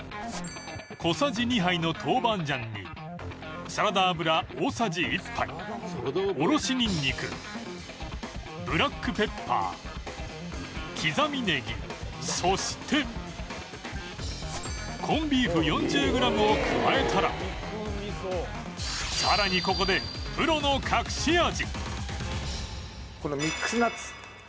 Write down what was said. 小さじ２杯の豆板醤にサラダ油大さじ１杯おろしにんにくブラックペッパー刻みネギそしてコンビーフ４０ｇを加えたらさらにここでプロの隠し味このミックスナッツ